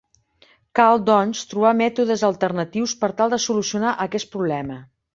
Cal, doncs, trobar mètodes alternatius per tal de solucionar aquest problema.